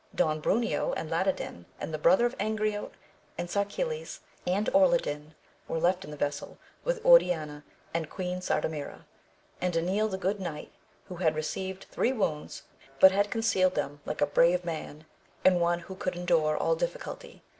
Don Bruneo, and Ladadin, and the brother of Angriote and Sarquiles, and Orlandin were left in the vessel with Oriana and Queen Sardamira, and Enil the good knight who had received three wounds, but had concealed them like a brave man, and one who could endure all difficulty.